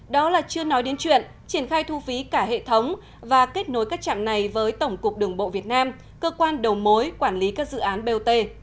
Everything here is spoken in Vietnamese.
đó là chưa nói đến chuyện triển khai thu phí cả hệ thống và kết nối các trạm này với tổng cục đường bộ việt nam cơ quan đầu mối quản lý các dự án bot